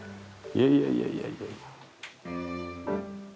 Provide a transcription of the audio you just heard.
いやいやいやいや。